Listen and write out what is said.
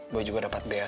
boy juga dapat bas